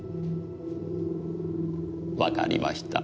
わかりました。